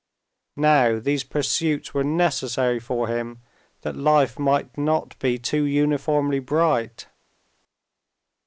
Now these pursuits were necessary for him that life might not be too uniformly bright.